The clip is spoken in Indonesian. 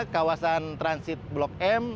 kawasan transit blok m